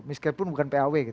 meskipun bukan paw